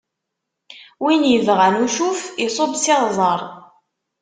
Win ibɣan ucuf, iṣubb s iɣzeṛ!